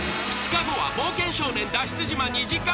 ２日後は冒険少年脱出島２時間